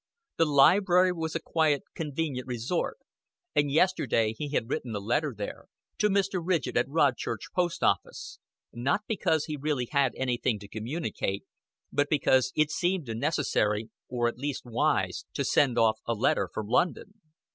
The Library was a quiet, convenient resort; and yesterday he had written a letter there, to Mr. Ridgett at Rodchurch Post Office not because he really had anything to communicate, but because it seemed necessary, or at least wise, to send off a letter from London.